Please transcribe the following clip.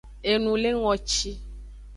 Enulengoci.